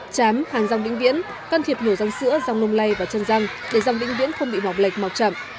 chám hàng răng bệnh viễn can thiệp nhiều răng sữa răng nông lây và chân răng để răng bệnh viễn không bị mọc lệch mọc chậm